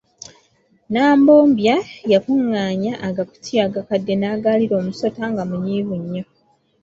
Nambobya yakunganya agakutiya agakadde naagalira omusota nga munyiivu nnyo.